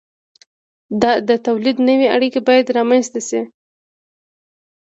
د تولید نوې اړیکې باید رامنځته شي.